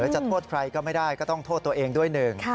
จะโทษใครก็ไม่ได้ก็ต้องโทษตัวเองด้วยหนึ่ง